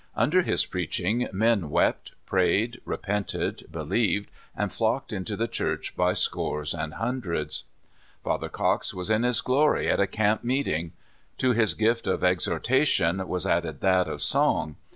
Under his preaching men wept, 6 (81) 82 Father Cox. prayed, repented, be^'eved, and flocked into tlife (Jhurch by scores and handreds. Father Cox was in his glory at a camp meeting. To his gift of exhortation was added that of soug.